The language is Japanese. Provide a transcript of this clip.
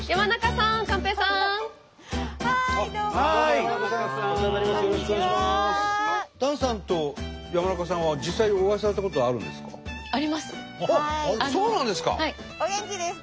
檀さんと山中さんは実際にお会いされたことはあるんですか？あります。